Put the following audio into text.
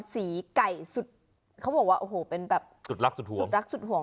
ไก่สุดเขาบอกว่าโอ้โหเป็นแบบสุดรักสุดห่วงสุดรักสุดห่วง